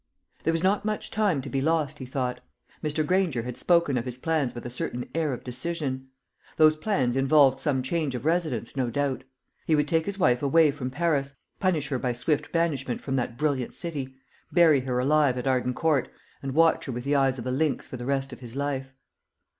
There was not much time to be lost, he thought. Mr. Granger had spoken of his plans with a certain air of decision. Those plans involved some change of residence, no doubt. He would take his wife away from Paris; punish her by swift banishment from that brilliant city; bury her alive at Arden Court, and watch her with the eyes of a lynx for the rest of his life.